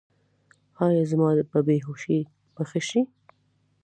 ایا زما بې هوښي به ښه شي؟